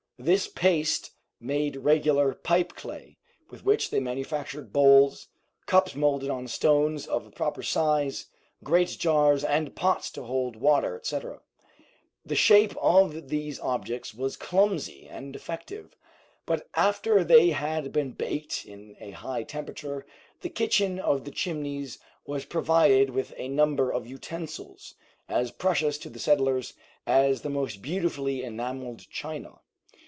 This paste made regular "pipe clay," with which they manufactured bowls, cups molded on stones of a proper size, great jars and pots to hold water, etc. The shape of these objects was clumsy and defective, but after they had been baked in a high temperature, the kitchen of the Chimneys was provided with a number of utensils, as precious to the settlers as the most beautifully enameled china.